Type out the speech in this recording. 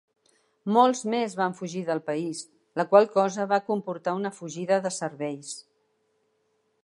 Molts més van fugir del país, la qual cosa va comportar una fugida de cervells.